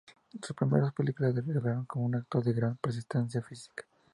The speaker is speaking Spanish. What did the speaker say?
Sus primeras películas le revelaron como un actor de gran prestancia física.